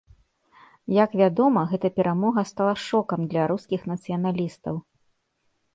Як вядома, гэта перамога стала шокам для рускіх нацыяналістаў.